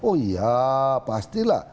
oh iya pasti lah